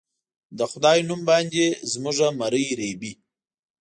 د خدای نوم باندې زموږه مرۍ رېبي